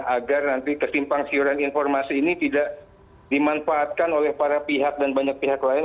agar nanti kesimpang siuran informasi ini tidak dimanfaatkan oleh para pihak dan banyak pihak lain